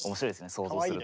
想像すると。